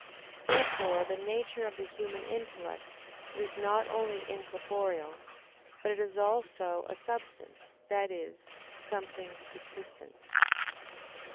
Therefore the nature of the human intellect is not only incorporeal, but it is also a substance, that is, something subsistent.